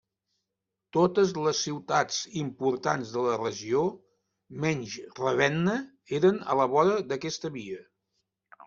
Totes les ciutats importants de la regió, menys Ravenna eren a la vora d'aquesta via.